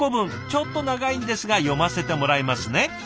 ちょっと長いんですが読ませてもらいますね。